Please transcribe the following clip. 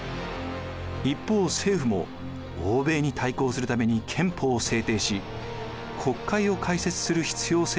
一方政府も欧米に対抗するために憲法を制定し国会を開設する必要性を感じていました。